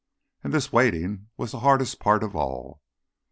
And this waiting was the hardest part of all.